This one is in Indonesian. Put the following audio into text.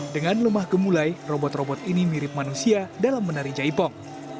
dengan lemah gemulai robot robot ini mirip manusia dalam menari jaipong